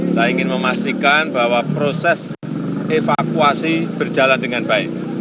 saya ingin memastikan bahwa proses evakuasi berjalan dengan baik